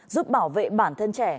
giúp bảo vệ bản thân trẻ